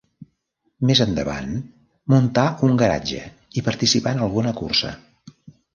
Més endavant muntà un garatge i participà en alguna cursa.